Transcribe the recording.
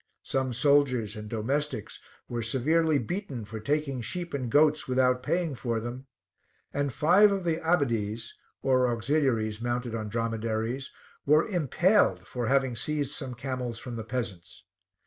Some soldiers and domestics were severely beaten for taking sheep and goats without paying for them, and five of the Abbadies (or auxiliaries mounted on dromedaries) were impaled for having seized some camels from the peasants.